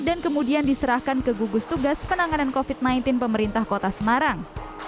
dan kemudian diserahkan ke gugus tugas penanganan covid sembilan belas pemerintah kota semarang